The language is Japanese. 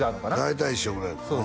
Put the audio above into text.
大体一緒ぐらいやんな